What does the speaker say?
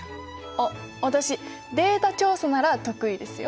あっ私データ調査なら得意ですよ。